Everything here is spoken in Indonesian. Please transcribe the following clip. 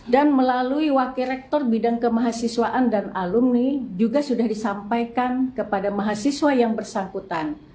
dan melalui wakil rektor bidang kemahasiswaan dan alumni juga sudah disampaikan kepada mahasiswa yang bersangkutan